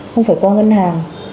không phải qua ngân hàng